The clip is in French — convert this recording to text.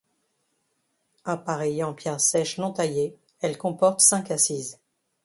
Appareillée en pierres sèches non taillées, elle comporte cinq assises.